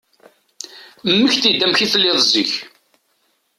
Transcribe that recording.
Mmekti-d amek i telliḍ zik.